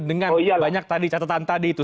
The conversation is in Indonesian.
dengan banyak tadi catatan tadi itu